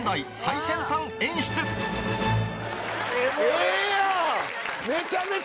ええやん！